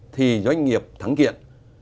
thì doanh nghiệp thắng kiện